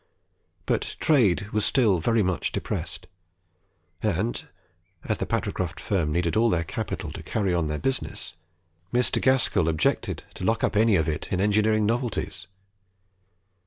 But trade was still very much depressed, and as the Patricroft firm needed all their capital to carry on their business, Mr. Gaskell objected to lock any of it up in engineering novelties.